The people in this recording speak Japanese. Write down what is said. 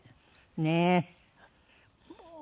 ねえ。